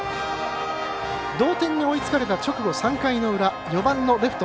同点に追いつかれた直後３回の裏４番のレフト